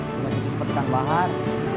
membantu cuci seperti kang bahar